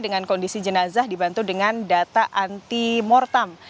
dengan kondisi jenazah dibantu dengan data anti mortam